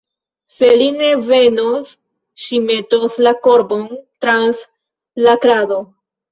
Se li ne venos, ŝi metos la korbon trans la krado.